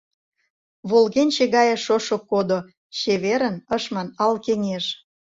Волгенче гае шошо кодо, «Чеверын» ыш ман ал кеҥеж.